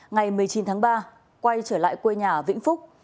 ngày một mươi chín tháng ba quay trở lại quê nhà vĩnh phúc